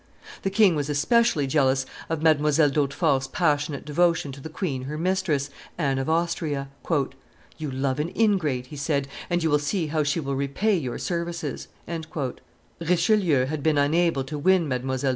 The king was especially jealous of Mdlle. d'Hautefort's passionate devotion to the queen her mistress, Anne of Austria. "You love an ingrate," he said, "and you will see how she will repay your services." Richelieu had been unable to win Mdlle.